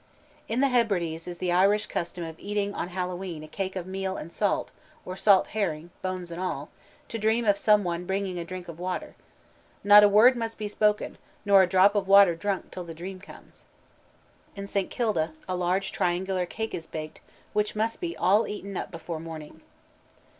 In the Hebrides is the Irish custom of eating on Hallowe'en a cake of meal and salt, or a salt herring, bones and all, to dream of some one bringing a drink of water. Not a word must be spoken, nor a drop of water drunk till the dream comes. In St. Kilda a large triangular cake is baked which must be all eaten up before morning.